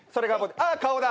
あっ顔だ！